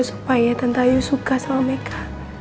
supaya tante ayu suka sama mereka